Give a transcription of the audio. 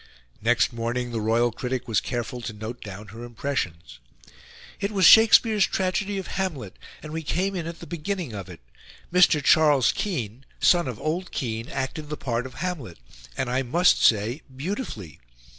Next morning the royal critic was careful to note down her impressions. "It was Shakespeare's tragedy of Hamlet, and we came in at the beginning of it. Mr. Charles Kean (son of old Kean) acted the part of Hamlet, and I must say beautifully.